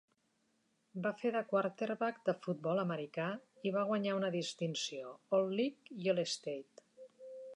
Va fer de quarterback de futbol americà i va guanyar una distinció All-League i All-State.